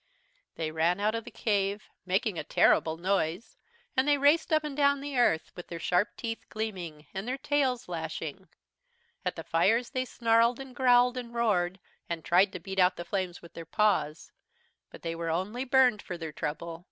"They ran out of the cave, making a terrible noise, and they raced up and down the earth, with their sharp teeth gleaming, and their tails lashing. At the fires they snarled, and growled, and roared, and tried to beat out the flames with their paws. But they were only burned for their trouble.